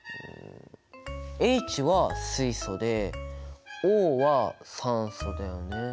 Ｈは水素でＯは酸素だよね。